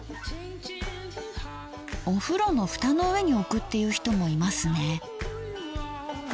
お風呂のフタの上に置くっていう人もいますね。